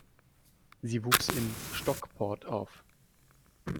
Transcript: Sie wuchs in Stockport auf.